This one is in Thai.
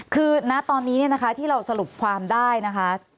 คือณตอนนี้เนี่ยนะคะที่เราสรุปความได้นะคะ